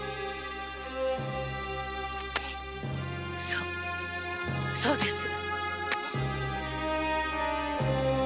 そうそうです。